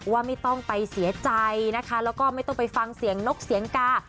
ว่าไม่ต้องไปเสียใจนะคะแล้วก็ไม่ต้องไปฟังเสียงนกเสียงกา